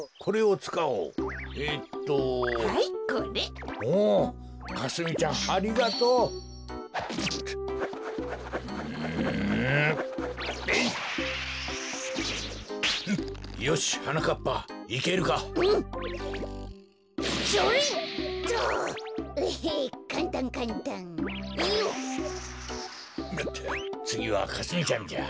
つぎはかすみちゃんじゃ。